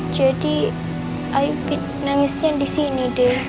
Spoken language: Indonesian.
jadi ayu nangisnya di sini deh